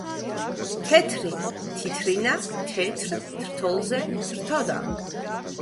თეთრი თითრინა თეთრ თრთოლზე თრთოდა